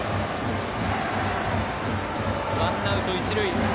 ワンアウト、一塁。